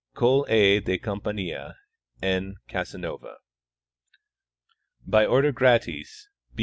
Coll. A. DE Campania. N, Casanova. By order gratis.